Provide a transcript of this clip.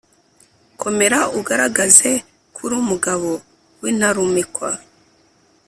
komera ugaragaze ko uri umugabo w’intarumikwa